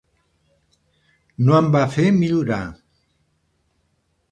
No em va fer millorar.